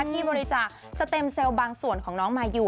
ที่บริจาคสเต็มเซลล์บางส่วนของน้องมายู